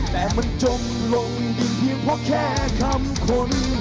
แต่มันจมลงดินเพียงเพราะแค่คำคน